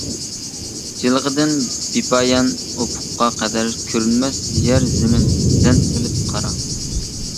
جىلغىدىن بىپايان ئۇپۇققا قەدەر كۆرۈنمەس يەر-زېمىن، زەن سېلىپ قارا.